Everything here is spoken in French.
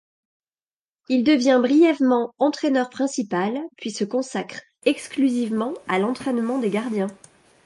Il devient brièvement entraîneur principal puis se consacre exclusivement à l'entrainement des gardiens.